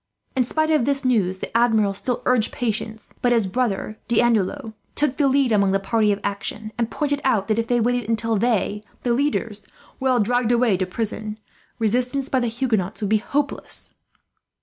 "In spite of this news the Admiral still urged patience; but his brother, D'Andelot, took the lead among the party of action; and pointed out that if they waited until they, the leaders, were all dragged away to prison, resistance by the Huguenots would be hopeless.